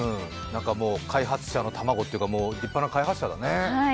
もう開発者の卵というか、立派な開発者だね。